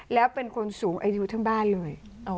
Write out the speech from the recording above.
แล้วเป็นคนสูงอายุทั้งบ้านเลย